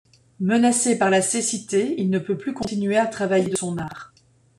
Menacé par la cécité, il ne peut plus continuer à travailler de son art.